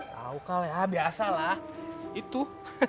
tau kal ya biasalah itu